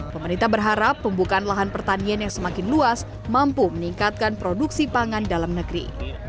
pemerintah berharap pembukaan lahan pertanian yang semakin luas mampu meningkatkan produksi pangan dalam negeri